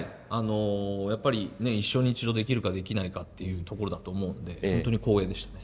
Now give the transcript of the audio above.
やっぱり一生に一度できるかできないかっていうところだと思うので本当に光栄でしたね。